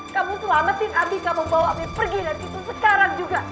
kamu selamatin abi kamu bawa aku pergi dari situ sekarang juga